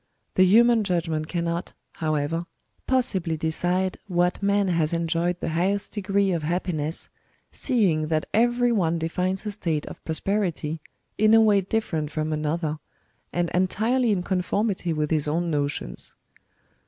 ^ The human judgment cannot, however, possibly decide what man has en joyed the highest degree of happiness, seeing that every one defines a state of prosperity in a way different from another, and entirely in conformity with his own notions.